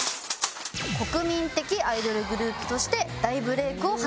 国民的アイドルグループとして大ブレイクを果たしました。